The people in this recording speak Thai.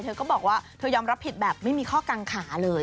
เธอก็บอกว่าเธอยอมรับผิดแบบไม่มีข้อกังขาเลย